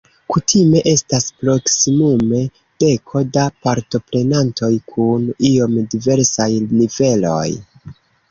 Kutime estas proksimume deko da partoprenantoj kun iom diversaj niveloj.